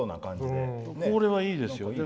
これは、いいですよ。